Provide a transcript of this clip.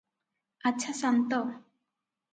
ଆଚ୍ଛା ସାନ୍ତ!